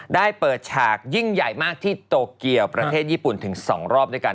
ได้เปิดฉากยิ่งใหญ่มากที่โตเกียวประเทศญี่ปุ่นถึง๒รอบด้วยกัน